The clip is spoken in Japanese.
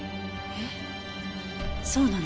えそうなの？